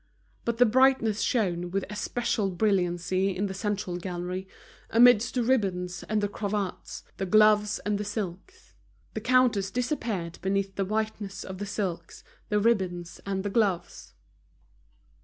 But the brightness shone with especial brilliancy in the central gallery, amidst the ribbons and the cravats, the gloves and the silks. The counters disappeared beneath the whiteness of the silks, the ribbons, and the gloves.